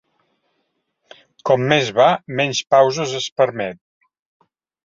Com més va, menys pauses es permet.